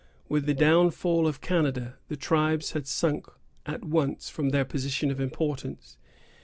With the downfall of Canada, the tribes had sunk at once from their position of importance.